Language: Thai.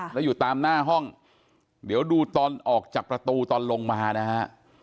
แล้วอยู่ตามหน้าห้องเดี๋ยวดูตอนออกจากประตูตอนลงมานะฮะ